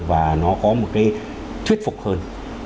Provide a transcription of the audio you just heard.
và nó có một cái thuyết phục hơn